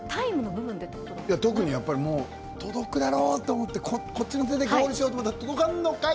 特に、届くやろうと思ってこっちの手でゴールしようとしたら届かんのかい！